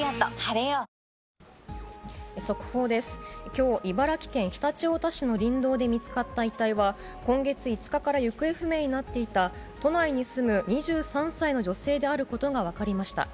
きょう、茨城県常陸太田市の林道で見つかった遺体は、今月５日から行方不明になっていた、都内に住む２３歳の女性であることが分かりました。